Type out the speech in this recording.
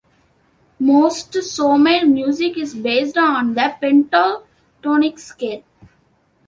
Most Somali music is based on the pentatonic scale.